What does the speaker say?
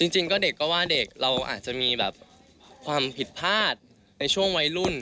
จริงก็เด็กก็ว่าเด็กเราอาจจะมีแบบความผิดพลาดในช่วงวัยรุ่น